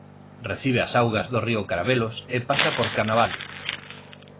Recibe as augas do río Carabelos e pasa por Canaval.